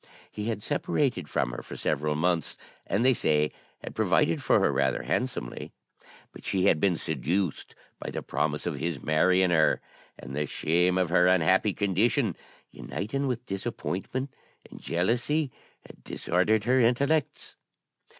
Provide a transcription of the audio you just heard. He had separated from her for several months, and, they say, had provided for her rather handsomely; but she had been seduced by the promise of his marrying her; and the shame of her unhappy condition, uniting with disappointment and jealousy, had disordered her intellects.